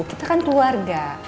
kita kan keluarga